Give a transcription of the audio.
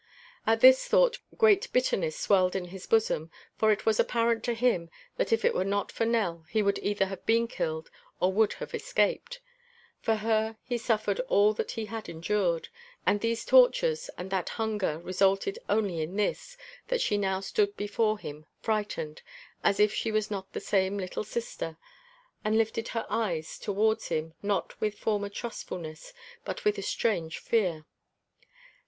At this thought great bitterness swelled in his bosom, for it was apparent to him that if it were not for Nell he would either have been killed or would have escaped. For her he suffered all that he had endured; and those tortures and that hunger resulted only in this, that she now stood before him frightened, as if she was not the same little sister, and lifted her eyes towards him not with former trustfulness, but with a strange fear.